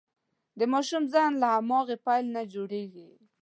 د ماشوم ذهن له هماغې پیل نه جوړېږي.